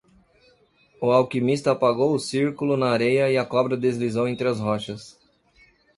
O alquimista apagou o círculo na areia e a cobra deslizou entre as rochas.